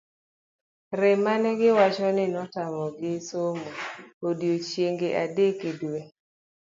rem mane giwacho ni netamo gi somo odiochieng'e adek e dwe